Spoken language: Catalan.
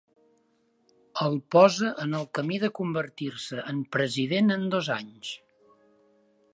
El posa en el camí de convertir-se en president en dos anys.